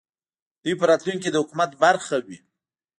دوی په راتلونکې کې د حکومت برخه وي